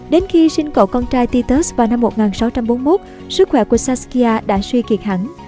đến khi sinh cậu con trai titus vào năm một nghìn sáu trăm bốn mươi một sức khỏe của saskya đã suy kiệt hẳn